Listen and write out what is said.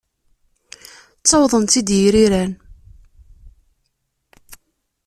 Ttawḍen-tt-id yiriran.